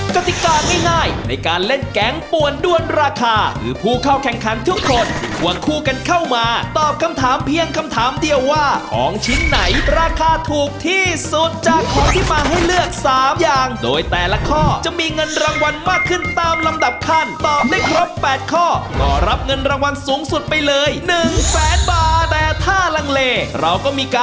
กติกาง่ายในการเล่นแกงป่วนด้วนราคาคือผู้เข้าแข่งขันทุกคนควรคู่กันเข้ามาตอบคำถามเพียงคำถามเดียวว่าของชิ้นไหนราคาถูกที่สุดจากของที่มาให้เลือก๓อย่างโดยแต่ละข้อจะมีเงินรางวัลมากขึ้นตามลำดับขั้นตอบได้ครบ๘ข้อก็รับเงินรางวัลสูงสุดไปเลย๑แสนบาทแต่ถ้าลังเลเราก็มีก